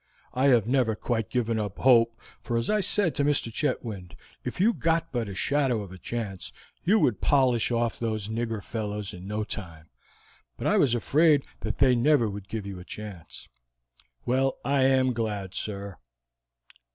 I have never quite given up hope, for, as I said to Mr. Chetwynd, if you got but a shadow of a chance, you would polish off those nigger fellows in no time; but I was afraid that they never would give you a chance. Well, I am glad, sir."